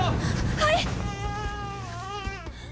はい！